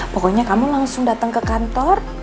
pokoknya kamu langsung datang ke kantor